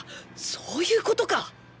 そういうことか